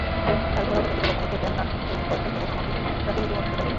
তারপর আমার প্রতিপালক আমাকে জ্ঞানদান করেছেন এবং আমাকে রাসূলরূপে মনোনীত করেছেন।